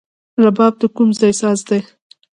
رباب د کوم ځای ساز دی؟